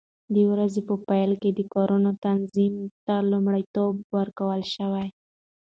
د ورځې په پیل کې د کارونو تنظیم ته لومړیتوب ورکړل شي.